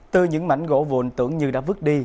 từ những mảnh gỗ vồn tưởng như đã vứt đi